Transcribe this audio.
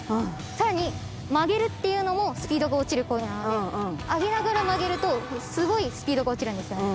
さらに曲げるっていうのもスピードが落ちる行為なので上げながら曲げるとすごいスピードが落ちるんですよね。